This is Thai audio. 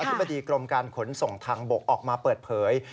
ธิบดีกรมการขนส่งทางบกออกมาเปิดเผย